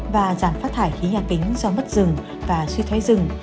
và giảm phát thải khí nhà kính do mất rừng và suy thoái rừng